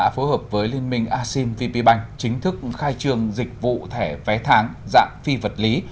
phối hợp với liên minh asean vp bank chính thức khai trường dịch vụ thẻ vé tháng dạng phi vật lý